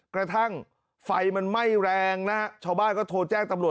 กระทั่งไฟมันไหม้แรงนะฮะชาวบ้านก็โทรแจ้งตำรวจ